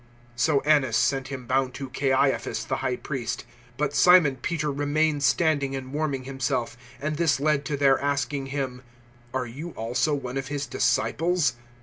018:024 So Annas sent Him bound to Caiaphas the High Priest. 018:025 But Simon Peter remained standing and warming himself, and this led to their asking him, "Are you also one of his disciples?"